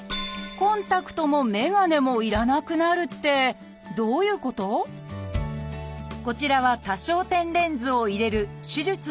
コンタクトもメガネも要らなくなるってこちらは多焦点レンズを入れる手術の映像。